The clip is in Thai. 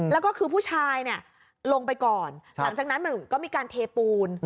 แล้วก็คือผู้ชายลงไปก่อนหลังจากนั้นก็มีการเทปูน